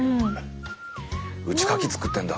「うちカキ作ってんだ」